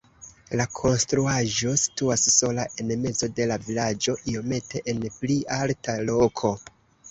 La konstruaĵo situas sola en mezo de la vilaĝo iomete en pli alta loko.